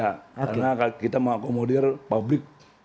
karena kita mengakomodir publik